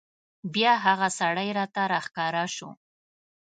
بیا هغه سړی راته راښکاره شو.